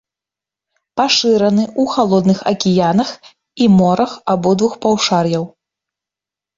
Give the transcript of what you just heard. Пашыраны ў халодных акіянах і морах абодвух паўшар'яў.